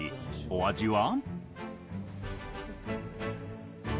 お味は？